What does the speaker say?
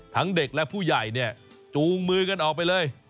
ทั้งเด็กและผู้ใหญ่จูงมือกันออกไปเลย